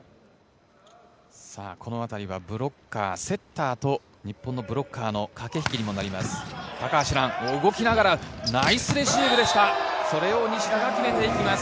このあたりはブロッカー、セッターと日本のブロッカーの駆け引きにもなります。